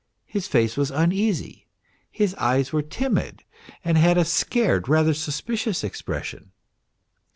His face was uneasy, his eyes were timid and had a scared and rather suspicious expression.